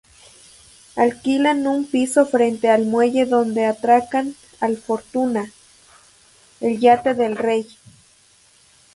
Alquilan un piso frente al muelle donde atracan al "Fortuna", el yate del Rey.